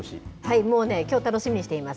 もう、きょう楽しみにしています。